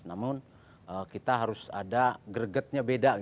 namun kita harus ada gregetnya beda